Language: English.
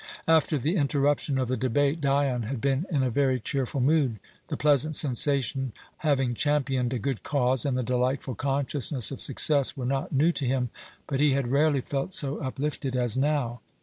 After the interruption of the debate Dion had been in a very cheerful mood. The pleasant sensation of having championed a good cause, and the delightful consciousness of success were not new to him, but he had rarely felt so uplifted as now.